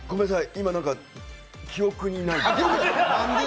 今記憶にない。